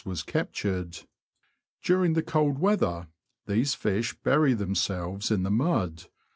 was captured. During the cold weather, these fish bury themselves in the mud.